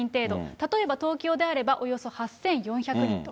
例えば、東京であればおよそ８４００人と。